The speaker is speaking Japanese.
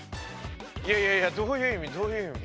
いやいやどういう意味どういう意味？